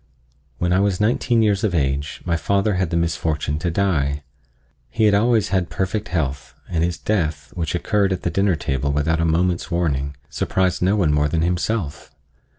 When I was nineteen years of age my father had the misfortune to die. He had always had perfect health, and his death, which occurred at the dinner table without a moment's warning, surprised no one more than himself.